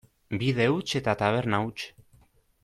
Bide huts eta taberna huts.